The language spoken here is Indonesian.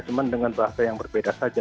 cuma dengan bahasa yang berbeda saja